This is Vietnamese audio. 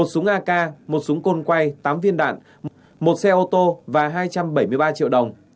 một súng ak một súng côn quay tám viên đạn một xe ô tô và hai trăm bảy mươi ba triệu đồng